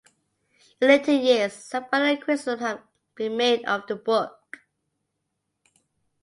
In later years, some further criticisms have been made of the book.